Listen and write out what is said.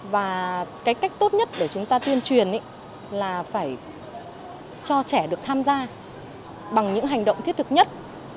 và cái cách tốt nhất để chúng ta tuyên truyền là phải cho trẻ được tham gia bằng những hành động thiết thực nhất